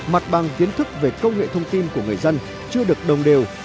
mặt bằng kiến thức về công nghệ thông tin của người dân chưa được đồng đều